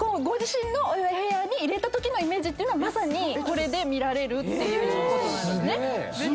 ご自身の部屋に入れたときのイメージをまさにこれで見られるっていうことなんですね。